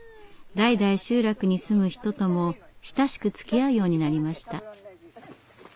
代々集落に住む人とも親しくつきあうようになりました。